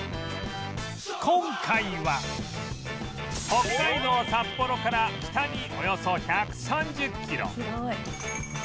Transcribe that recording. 今回は北海道札幌から北におよそ１３０キロ